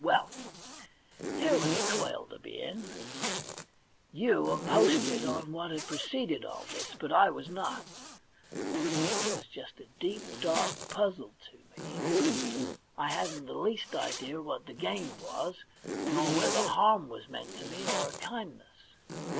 Well, here was a coil to be in ! You are posted on what had preceded all this, but I was not. It was just a deep, dark puzzle to me. I hadn't the least idea what the game was, nor whether harm was meant me or a kindness.